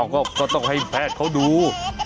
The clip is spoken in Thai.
ก็ต้องให้แพทย์เขาดู